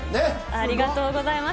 ありがとうございます。